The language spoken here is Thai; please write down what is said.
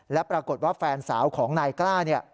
แล้วปรากฏว่าแฟนสาวของนายกล้า